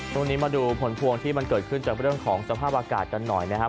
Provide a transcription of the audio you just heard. มาดูผลพวงที่มันเกิดขึ้นจากเรื่องของสภาพอากาศกันหน่อยนะครับ